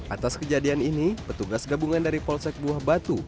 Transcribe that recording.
atas kejadian ini petugas gabungan dari polsek buah batu